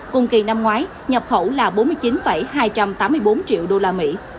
cùng kỳ năm ngoái nhập khẩu là bốn mươi chín hai trăm tám mươi bốn triệu đô la mỹ